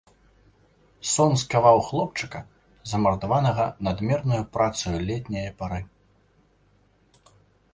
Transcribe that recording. Сон скаваў хлопчыка, замардаванага надмернаю працаю летняе пары.